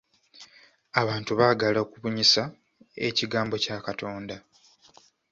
Abantu baagala okubunyisa ekigambo kya Katonda.